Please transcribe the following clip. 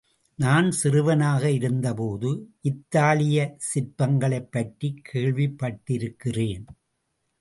நான் சிறுவனாக இருந்தபோது இத்தாலிய சிற்பங்களைப் பற்றிக் கேள்விப்பட்டிருக்கிறேன்.